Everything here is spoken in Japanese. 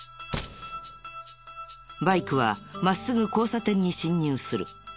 バイクは真っすぐ交差点に進入する。